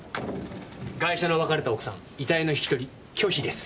ガイシャの別れた奥さん遺体の引き取り拒否です。